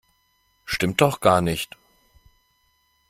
Stimmt doch gar nicht!